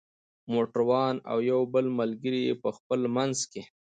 موټر وان او یو بل ملګری یې په خپل منځ کې.